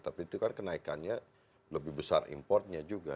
tapi itu kan kenaikannya lebih besar importnya juga